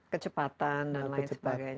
kecepatan dan lain sebagainya